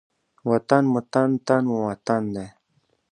وطن مو تن، تن مو وطن دی.